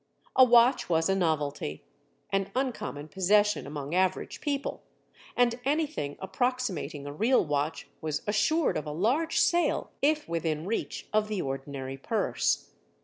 A watch was a novelty, an uncommon possession among average people, and anything approximating a real watch was assured of a large sale if within reach of the ordinary purse.